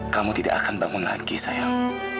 kamu tidak akan bangun lagi sayang